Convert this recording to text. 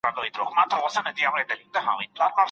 ښځي ولي بايد خپل ظاهري حالت بدل نه کړي؟